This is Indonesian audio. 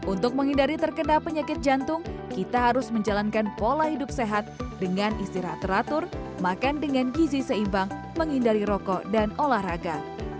untuk menghindari terkena penyakit jantung kita harus menjalankan pola hidup sehat dengan istirahat teratur makan dengan gizi seimbang menghindari rokok dan olahraga